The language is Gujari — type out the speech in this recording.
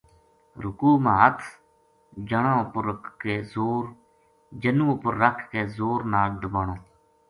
رکوع ما ہتھ جنو اپر رکھ کے زور نال دبانو۔